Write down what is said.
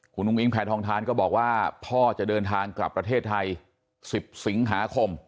คุณอุ้งอิงแพทองทานก็บอกว่าพ่อจะเดินทางกลับประเทศไทย๑๐สิงหาคม